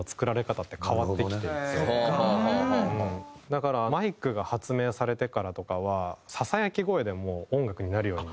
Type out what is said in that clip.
だからマイクが発明されてからとかはささやき声でも音楽になるように。